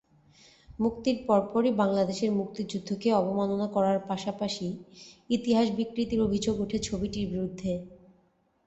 মুক্তির পরপরই বাংলাদেশের মুক্তিযুদ্ধকে অবমাননা করার পাশাপাশি ইতিহাস বিকৃতির অভিযোগ ওঠে ছবিটির বিরুদ্ধে।